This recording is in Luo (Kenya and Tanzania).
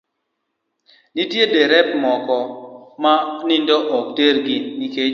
Nitie derepe moko ma nindo ok tergi nikech